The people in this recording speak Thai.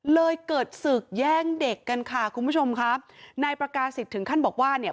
เลยเกิดศึกแย่งเด็กกันค่ะคุณผู้ชมค่ะนายประกาศิษย์ถึงขั้นบอกว่าเนี่ย